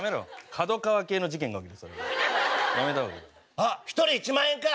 あっ１人１万円か！